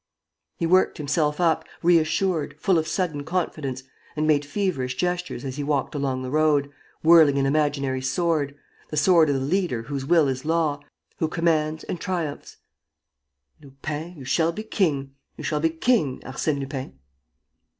He worked himself up, reassured, full of sudden confidence, and made feverish gestures as he walked along the road, whirling an imaginary sword, the sword of the leader whose will is law, who commands and triumphs: "Lupin, you shall be king! You shall be king, Arsène Lupin!"